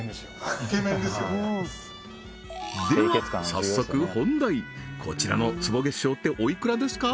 早速本題こちらの坪月商っておいくらですか？